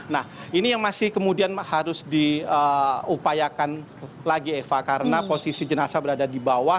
nah ini yang masih kemudian harus diupayakan lagi eva karena posisi jenazah berada di bawah